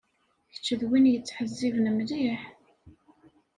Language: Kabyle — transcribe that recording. Kečč d win yettḥezziben mliḥ.